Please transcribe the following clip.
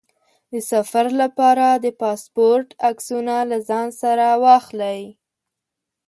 د سفر لپاره د پاسپورټ عکسونه له ځان سره واخلئ.